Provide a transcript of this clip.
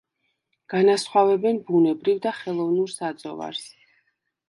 განასხვავებენ ბუნებრივ და ხელოვნურ საძოვარს.